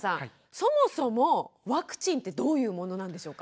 そもそもワクチンってどういうものなんでしょうか？